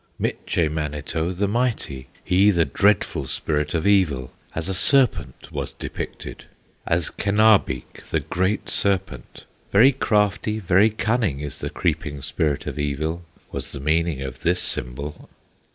Mitche Manito the Mighty, He the dreadful Spirit of Evil, As a serpent was depicted, As Kenabeek, the great serpent. Very crafty, very cunning, Is the creeping Spirit of Evil, Was the meaning of this symbol.